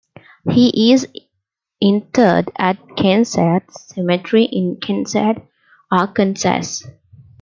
He is interred at Kensett Cemetery in Kensett, Arkansas.